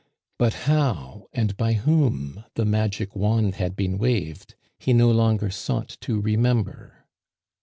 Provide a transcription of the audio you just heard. But how and by whom the magic wand had been waved he no longer sought to remember.